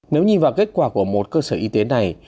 nếu nhìn vào kết quả của một cơ sở y tế này